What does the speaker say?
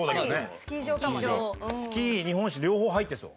スキー日本酒両方入ってそう。